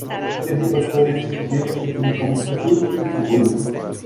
Sergio Pascual es ingeniero de Telecomunicación y antropólogo.